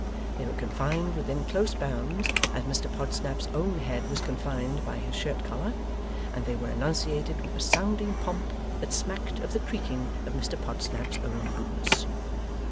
They were confined within close bounds, as Mr Podsnap's own head was confined by his shirt collar; and they were enunciated with a sounding pomp that smacked of the creaking of Mr Podsnap's own boots.